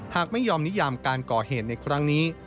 หากไม่ยอมนิยามการก่อเหตุในครั้งนี้